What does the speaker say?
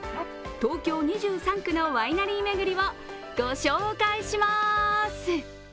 東京２３区のワイナリー巡りを御紹介します。